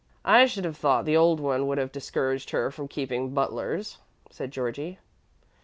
"I should have thought the old one would have discouraged her from keeping butlers," said Georgie.